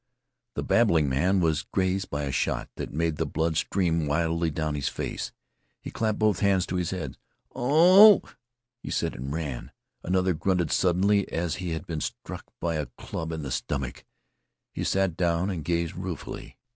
The babbling man was grazed by a shot that made the blood stream widely down his face. He clapped both hands to his head. "Oh!" he said, and ran. Another grunted suddenly as if he had been struck by a club in the stomach. He sat down and gazed ruefully.